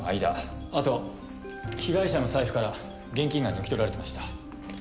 あと被害者の財布から現金が抜き取られてました。